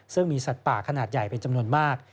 ซึ่งมีสัตว์ป่าขนาดใหญ่เป็นจำนวนมาก